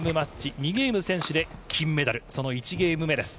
２ゲーム先取で金メダル、その１ゲーム目です。